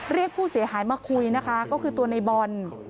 เรียกผู้เสียหายมาคุยนะคะก็คือตัวในบอล